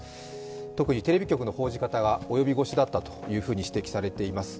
特にテレビ局の報じ方が及び腰だったと指摘されています。